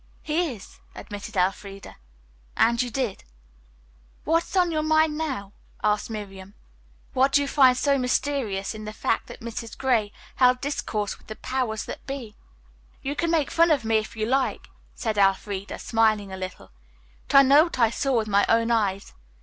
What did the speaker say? "He is," admitted Elfreda, "and you did." "What is on your mind now?" asked Miriam. "What do you find so mysterious in the fact that Mrs. Gray held discourse with the powers that be?" "You can make fun of me if you like," said Elfreda, smiling a little, "but I know what I saw with my own eyes.